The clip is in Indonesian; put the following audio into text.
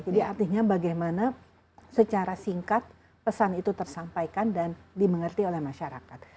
jadi artinya bagaimana secara singkat pesan itu tersampaikan dan dimengerti oleh masyarakat